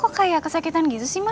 kok kayak kesakitan gitu sih mak